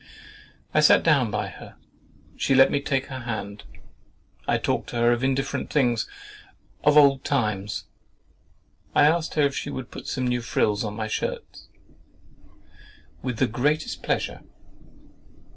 I sat down by her; she let me take her hand; I talked to her of indifferent things, and of old times. I asked her if she would put some new frills on my shirts?—"With the greatest pleasure."